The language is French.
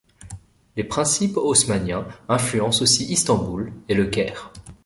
Les principes haussmanniens influencent aussi Istanbul et Le Caire.